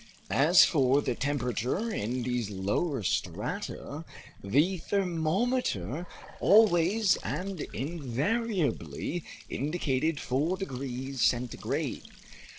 As for the temperature in these lower strata, the thermometer always and invariably indicated 4 degrees centigrade.